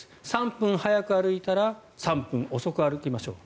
３分速く歩いたら３分遅く歩きましょう。